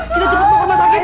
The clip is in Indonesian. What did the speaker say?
kita cepat mau ke rumah sakit